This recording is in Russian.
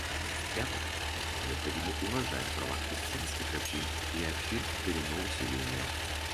В-пятых, необходимо уважать права крестьянских общин и общин коренного селения.